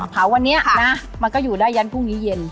เผาวันนี้นะมันก็อยู่ได้ยันพรุ่งนี้เย็น